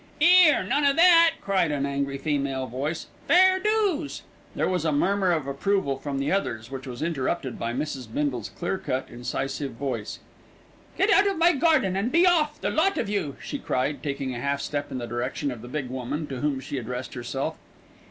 "'Ere, none o' that!" cried an angry female voice. "Fair do's." There was a murmur of approval from the others, which was interrupted by Mrs. Bindle's clear cut, incisive voice. "Get out of my garden, and be off, the lot of you," she cried, taking a half step in the direction of the big woman, to whom she addressed herself.